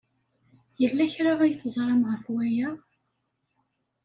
Yella kra ay teẓram ɣef waya?